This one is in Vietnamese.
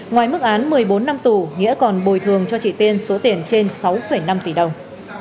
ngoài mức án một mươi bốn năm tù nghĩa còn bồi thường cho chị tiên số tiền trên sáu năm tỷ đồng